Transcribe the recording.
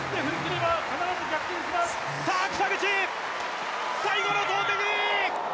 さあ、北口最後の投てき！